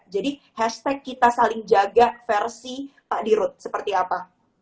jadi hashtag kita saling jaga versi pak dirut seperti apa